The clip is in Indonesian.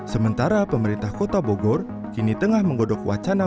sementara pemerintah kota bogor kini tengah menggodok wacana